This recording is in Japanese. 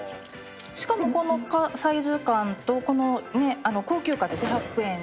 しかもこのサイズ感とこの高級感で５００円なんで。